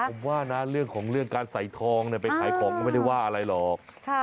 ผมว่านะเรื่องของเรื่องการใส่ทองไปขายของก็ไม่ได้ว่าอะไรหรอก